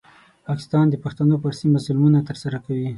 پاکستان د پښتنو پر سیمه ظلمونه ترسره کوي.